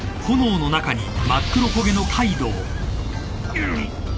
うっ！